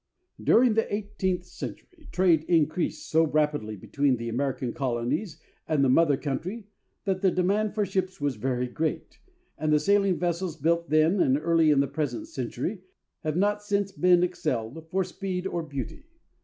During the eighteenth century trade increased so rapidly between the American colonies and the mother country that the demand for ships was very great, and the sailing vessels built then and early in the present century have not since been excelled for speed or beauty.